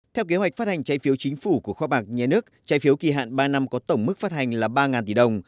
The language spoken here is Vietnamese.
theo kế hoạch phát hành trái phiếu chính phủ của kho bạc nhà nước trái phiếu kỳ hạn ba năm có tổng mức phát hành là ba tỷ đồng